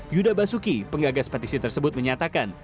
yuda basuki pengagas petisi tersebut menyatakan